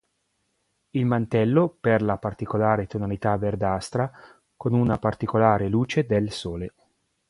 Il mantello per la particolare tonalità verdastra con una particolare luce del sole.